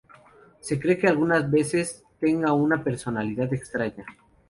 Se cree que algunas veces tenga una personalidad extraña.